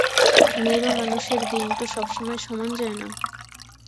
নেবা মানুষের দিন তো সব সময় সমান যায় না।